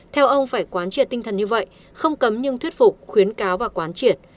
theo ông phải quán triệt tinh thần như vậy không cấm nhưng thuyết phục khuyến cáo và quán triệt